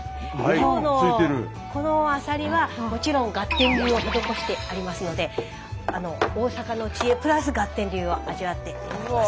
今日のこのアサリはもちろんガッテン流を施してありますので大阪の知恵プラスガッテン流を味わって頂きます。